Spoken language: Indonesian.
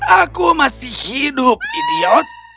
aku masih hidup idiot